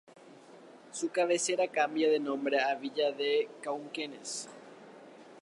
Su cabecera cambia de nombre a Villa de Cauquenes.